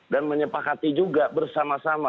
dan menyepakati juga bersama sama